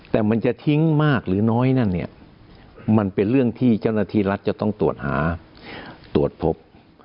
แต่มันจะทิ้งมากหรือน้อยนั่นเนี่ยมันเป็นเรื่องที่เจ้าหน้าที่รัฐจะต้องตรวจหาตรวจพบ